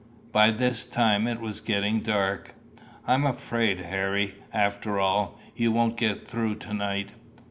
By this time it was getting dark. "I'm afraid, Harry, after all, you won't get through to night."